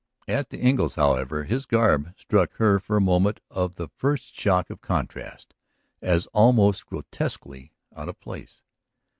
At the Engles', however, his garb struck her for a moment of the first shock of contrast, as almost grotesquely out of place.